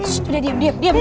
shh udah diam diam diam